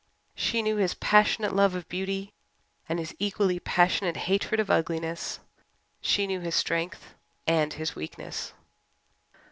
She knew his passionate love of beauty and his equally passionate hatred of ugliness; she knew his strength and his weakness.